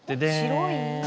白い。